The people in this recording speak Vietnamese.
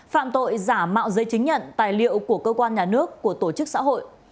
phạm tội giả mạo giấy chứng nhận tài liệu của cơ quan nhà nước của tổ chức xã hội